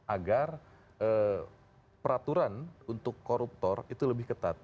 agar peraturan untuk koruptor itu lebih ketat